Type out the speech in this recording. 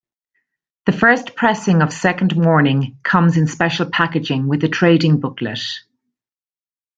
The first pressing of Second Morning comes in special packaging with a trading booklet.